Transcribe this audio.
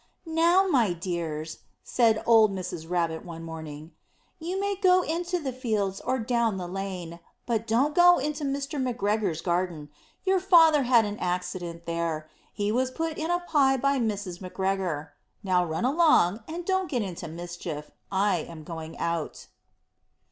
"Now, my dears," said old Mrs. Rabbit, one morning, "you may go into the fields or down the lane, but don't go into Mr. McGregor's garden; your father had an accident there; he was put in a pie by Mrs. McGregor. Now run along, and don't get into mischief. I am going out."